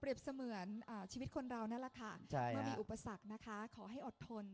เสมือนชีวิตคนเรานั่นแหละค่ะเมื่อมีอุปสรรคนะคะขอให้อดทน